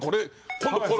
今度これ。